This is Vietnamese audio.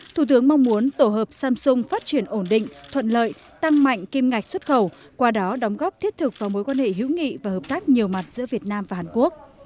thủ tướng mong muốn tổ hợp samsung phát triển ổn định thuận lợi tăng mạnh kim ngạch xuất khẩu qua đó đóng góp thiết thực vào mối quan hệ hữu nghị và hợp tác nhiều mặt giữa việt nam và hàn quốc